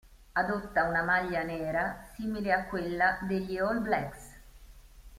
Adotta una maglia nera, simile a quella degli "All Blacks".